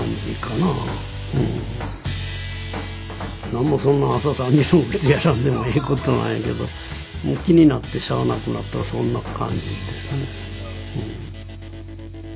なんもそんな朝３時に起きてやらんでもええことなんやけど気になってしゃあなくなったらそんな感じですね。